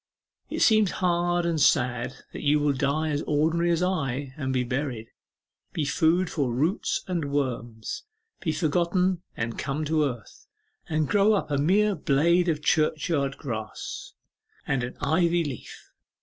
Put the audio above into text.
It seems hard and sad that you will die as ordinarily as I, and be buried; be food for roots and worms, be forgotten and come to earth, and grow up a mere blade of churchyard grass and an ivy leaf.